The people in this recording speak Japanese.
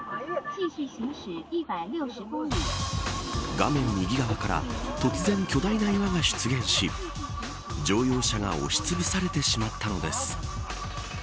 画面右側から突然、巨大な岩が出現し乗用車が押しつぶされてしまったのです。